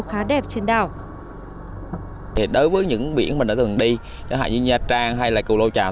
khá đẹp trên đảo đối với những biển mình đã thường đi chẳng hạn như nha trang hay là cù lô tràm